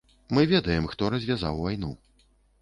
Мы ведаем, хто развязаў вайну.